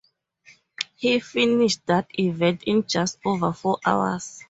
He finished that event in just over four hours.